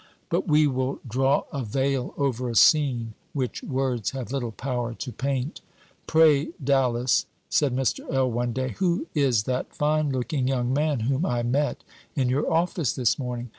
But we will draw a veil over a scene which words have little power to paint. "Pray, Dallas," said Mr. L., one day, "who is that fine looking young man whom I met in your office this morning?